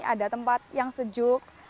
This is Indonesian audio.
ada tempat yang sejuk